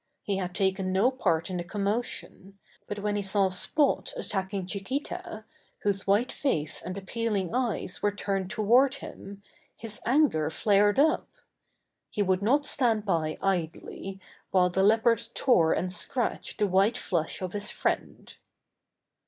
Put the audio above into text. He had taken no part in the commotion, but when he saw Spot at tacking Chiquita, whose white face and ap pealing eyes were turned toward him, his anger flared up. He would not stand by idly while the Leopard tore and scratched the white flesh of his friend.